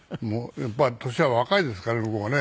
やっぱり年は若いですからね向こうがね。